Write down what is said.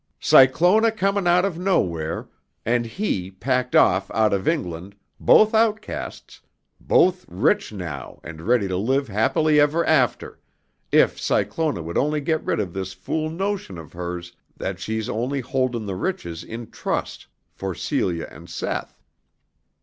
"Cyclona coming out of Nowhere, and he packed off out of England, both outcasts, both rich now and ready to live happy ever after, if Cyclona would only get rid of this fool notion of hers that she's only holdin' the riches in trust for Celia and Seth.